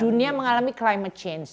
dunia mengalami climate change